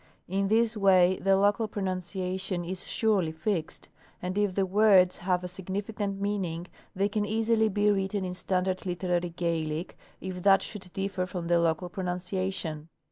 In this way the local pronunciation is surely fixed, and if the words have a significant meaning they can easily be written in standard literary Gaelic if that shoiild differ from the local pronunciation.